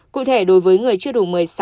cụ thể đối với người chưa đủ một mươi sáu tuổi